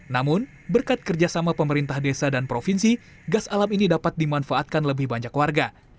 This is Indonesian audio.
namun berkat kerjasama pemerintah desa dan provinsi gas alam ini dapat dimanfaatkan lebih banyak warga